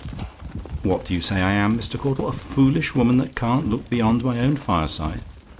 "What do you say I am, Mr. Caudle? "A FOOLISH WOMAN, THAT CAN'T LOOK BEYOND MY OWN FIRESIDE?